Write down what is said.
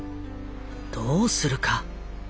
どうするか。